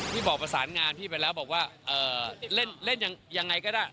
ที่บอกประสานงานพี่ไปแล้วบอกว่าเล่นยังไงก็ได้